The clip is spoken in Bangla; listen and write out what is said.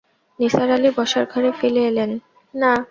নিসার আলি বসার ঘরে ফিরে এলেন।